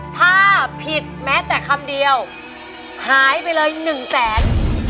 ถ้าผิดแม้แต่คำเดียวหายไปเลย๑แสน